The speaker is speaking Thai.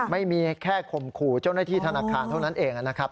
ไม่มีแค่ข่มขู่เจ้าหน้าที่ธนาคารเท่านั้นเองนะครับ